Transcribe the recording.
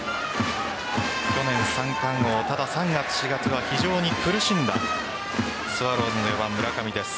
去年、三冠王ただ、３月・４月は非常に苦しんだスワローズの４番・村上です。